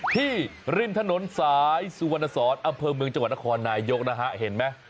ริมถนนสายสุวรรณสอนอำเภอเมืองจังหวัดนครนายกนะฮะเห็นไหม